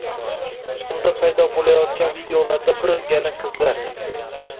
Unda paydo bo‘layotgan videolarda bir gala qizlar.